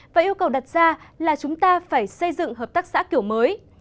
và yêu cầu đặt ra là chúng ta phải xây dựng hợp tác xã kiểu mới